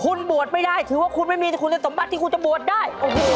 คุณบวชไม่ได้ถือว่าคุณไม่มีคุณสมบัติที่คุณจะบวชได้